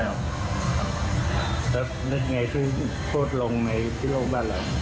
แล้วนึกไงพูดลงในที่โรงพยาบาลอะไร